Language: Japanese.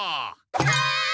はい！